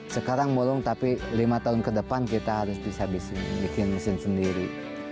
sekarang murung tapi lima tahun kedepan kita harus bisa bikin mesin sendiri